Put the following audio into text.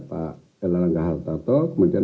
pak elangga hartarto kemudian